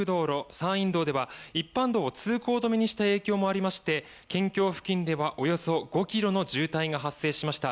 山陰道では一般道を通行止めにした影響もありまして県境付近では、およそ５ｋｍの渋滞が発生しました。